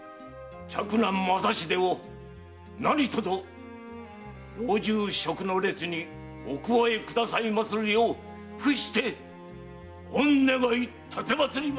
嫡男・正秀を何とぞ老中職の列にお加えくださいまするよう伏して御願い奉りまする。